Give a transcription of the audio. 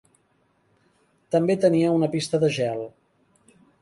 També tenia una pista de gel.